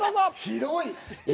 広い。